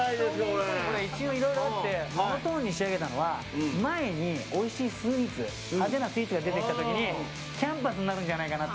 一応いろいろあってモノトーンに仕上げたのは前においしいスイーツ派手なスイーツが出てきた時にキャンパスになるんじゃないかなと。